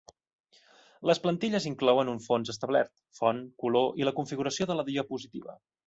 Les plantilles inclouen un fons establert, font, color i la configuració de la diapositiva.